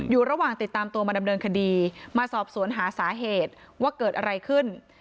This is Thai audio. อยู่ระหว่างติดตามตัวมาดำเนินคดีมาสอบสวนหาสาเหตุว่าเกิดอะไรขึ้น